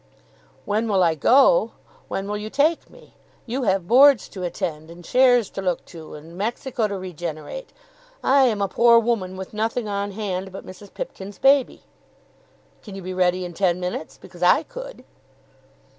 "When will I go? when will you take me? You have Boards to attend, and shares to look to, and Mexico to regenerate. I am a poor woman with nothing on hand but Mrs. Pipkin's baby. Can you be ready in ten minutes? because I could."